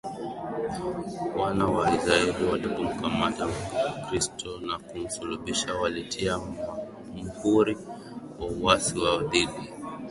Wana wa Israel walipomkataa Kristo na kumsulubisha walitia Muhuri wa uasi wao dhidi